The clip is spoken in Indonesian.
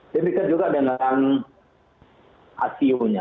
demikian juga dengan icu nya